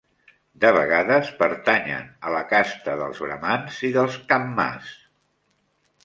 De vegades pertanyen a la casta dels Bramans i dels Kammas.